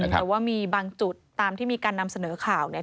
แต่ว่ามีบางจุดตามที่มีการนำเสนอข่าวเนี่ย